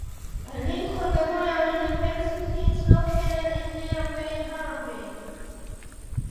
Lincoln Memorial University is located in nearby Harrogate.